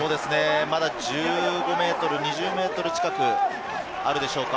まだ２０ｍ近くあるでしょうか？